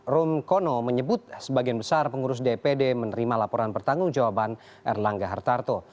rum kono menyebut sebagian besar pengurus dpd menerima laporan pertanggung jawaban erlangga hartarto